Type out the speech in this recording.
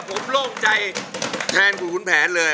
ผมโล่งใจแทนคุณขุนแผนเลย